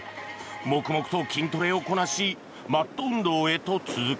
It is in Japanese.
黙々と筋トレをこなしマット運動へと続く。